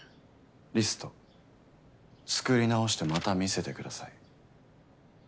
リスト作り直してまた見せてください。